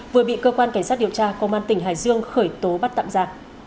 vừa bị cơ quan cảnh sát điều tra công an tỉnh hải dương khởi tố bắt tạm giả